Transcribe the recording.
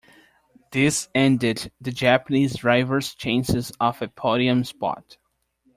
This ended the Japanese driver's chances of a podium spot.